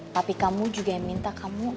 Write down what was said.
tapi kamu juga yang minta kamu